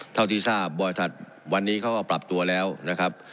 เท่าที่ทราบบริษัทวันนี้เขาก็ปรับตัวแล้วนะครับ